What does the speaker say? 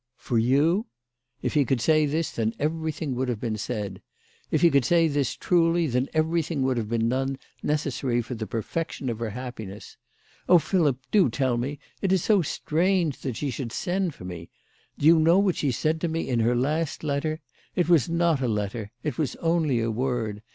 " For you ?" If he could say this, then everything would have been said. If he could say this truly, then everything would have been done necessary for the perfection of her happiness. " Oh, Philip, do tell me. It is so strange that she should send for me ! Do you know what she said to me in her last letter ? It was not a letter. It was only a word.